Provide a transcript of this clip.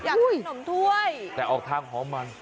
อยากกินขนมถ้วยแต่ออกทางหอมมัน